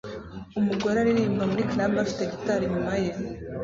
Umugore aririmba muri club afite gitari inyuma ye